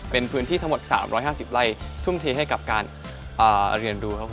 เป็นพื้นที่ทั้งหมด๓๕๐ไร่ทุ่มเทให้กับการเรียนรู้ครับผม